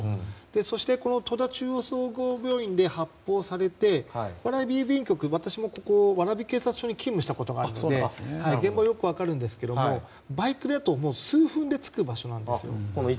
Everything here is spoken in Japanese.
そして、戸田中央総合病院で発砲されて蕨郵便局、私も蕨警察署に勤務したことがあるので現場よく分かるんですがバイクだと数分で着く場所なんです。